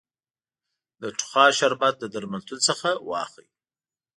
د ټوخا شربت د درملتون څخه واخلی